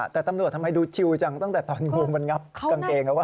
แต่ตำรวจทำไมดูชิวจังตั้งแต่ตอนงูมันงับกางเกงแล้วว